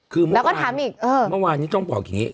คือเมื่อวานต้องบอกอย่างนี้